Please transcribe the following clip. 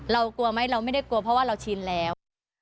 กลัวไหมเราไม่ได้กลัวเพราะว่าเราชินแล้ว